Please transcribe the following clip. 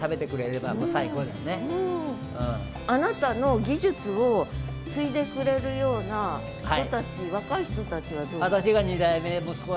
あなたの技術を継いでくれるような人たち若い人たちはどう？